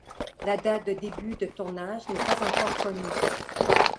La date de début de tournage n'est pas encore connue.